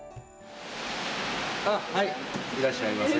いらっしゃいませ。